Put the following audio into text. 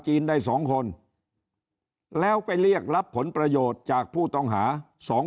ได้๒คนแล้วไปเรียกรับผลประโยชน์จากผู้ต้องหาสอง